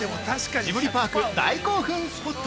◆ジブリパーク大興奮スポット。